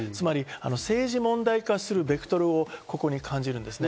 政治問題化するベクトルをここに感じるんですね。